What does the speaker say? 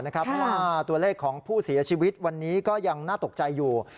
เพราะว่าตัวเลขของผู้เสียชีวิตวันนี้ก็ยังน่าตกใจอยู่